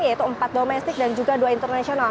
yaitu empat domestik dan juga dua internasional